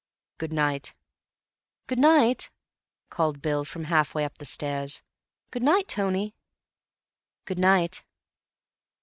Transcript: "Good night." "Good night," called Bill from half way up the stairs. "Good night, Tony." "Good night."